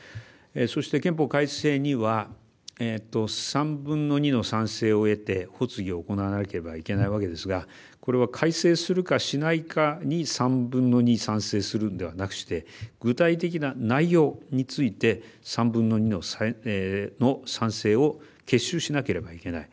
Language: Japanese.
そして、憲法改正には３分の２の賛成を得て発議を行わなければいけないわけですがこれは改正するかしないかに３分の２賛成するのではなくして具体的な内容について３分の２の賛成を結集しなければいけない